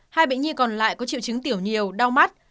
hai bệnh nhi còn lại có triệu chứng tiểu nhiều đau mắt